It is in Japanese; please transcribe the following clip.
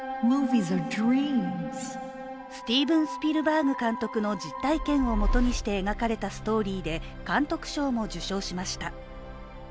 スティーブン・スピルバーグ監督の実体験をもとにして描かれたストーリーで監督賞も受賞しました。